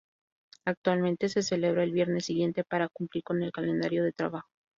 Actualmente se celebra el viernes siguiente para cumplir con el calendario de trabajo.